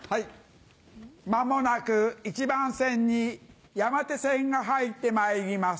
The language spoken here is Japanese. まもなく１番線に山手線が入ってまいります。